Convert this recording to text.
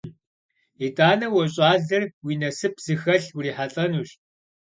ИтӀанэ уэ щӀалэр уи насып зыхэлъ урихьэлӀэнущ.